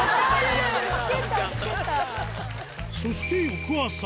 そして